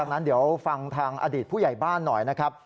ดังนั้นเดี๋ยวฟังทางอดีตผู้ใหญ่บ้านหน่อยนะครับ